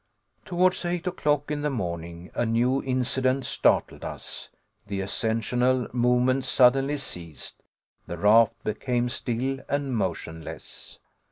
Towards eight o'clock in the morning a new incident startled us. The ascensional movement suddenly ceased. The raft became still and motionless.